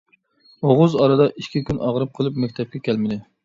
ئوغۇز ئارىدا ئىككى كۈن ئاغرىپ قېلىپ مەكتەپكە كەلمىدى.